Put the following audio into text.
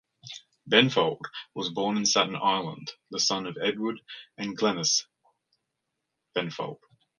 Benfold was born in Staten Island, the son of Edward and Glenys Benfold.